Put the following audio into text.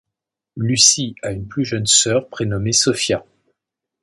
Lucy a une plus jeune sœur prénommée Sophia.